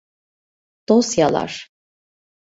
Dosyalar…